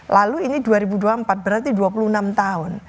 lalu ini dua ribu dua puluh empat berarti dua puluh enam tahun